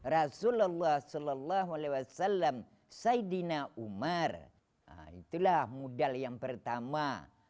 rasulullah saw saidina umar itulah modal yang pertama